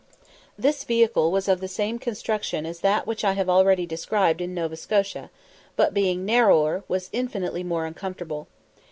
This vehicle was of the same construction as that which I have already described in Nova Scotia; but, being narrower, was infinitely more uncomfortable.